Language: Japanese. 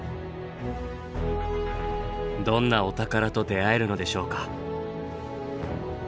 どんなお宝と出会えるのでしょうか。